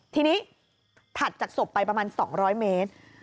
ทีนี้ถัดจากศพไปประมาณ๒๐๐เมตร